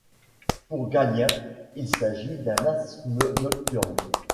Pour Galien, il s'agit d'un asthme nocturne.